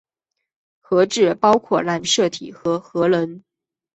核质包括染色体和核仁。